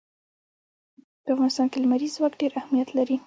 په افغانستان کې لمریز ځواک ډېر اهمیت لري.